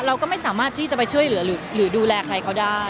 เราก็ไม่สามารถที่จะไปช่วยเหลือหรือดูแลใครเขาได้